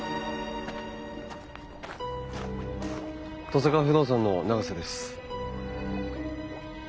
登坂不動産の永瀬です。